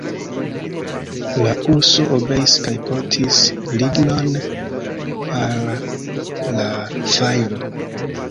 La urso obeis kaj portis lignon al la fajro.